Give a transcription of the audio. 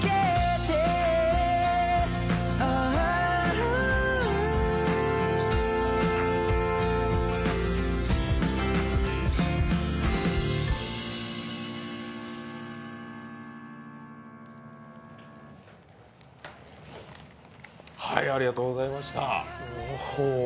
うーんとねぇはい、ありがとうございました。